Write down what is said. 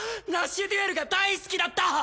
ラッシュデュエルが大好きだった！